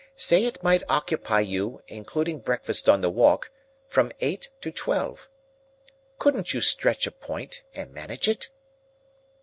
Say it might occupy you (including breakfast on the walk) from eight to twelve. Couldn't you stretch a point and manage it?"